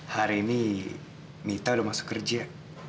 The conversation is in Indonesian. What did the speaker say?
hari ini mita udah masuk kerja